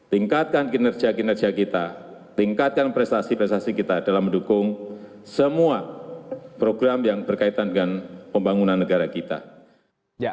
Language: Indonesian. tingkatkan kinerja kinerja kita tingkatkan prestasi prestasi kita dalam mendukung semua program yang berkaitan dengan pembangunan negara kita